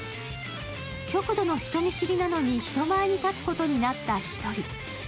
極度の人見知りなのに人前に立つことになったひとり。